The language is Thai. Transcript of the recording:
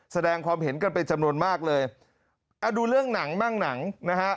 แสดงความเห็นกันเป็นจำนวนมากเลยอ่าดูเรื่องหนังมั่งหนังนะฮะ